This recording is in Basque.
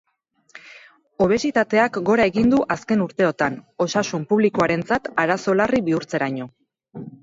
Obesitateak gora egin du azken urteotan, osasun publikoarentzat arazo larri bihurtzeraino.